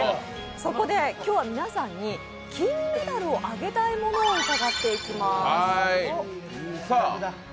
そこで今日は皆さんに金メダルをあげたい物を伺っていきます。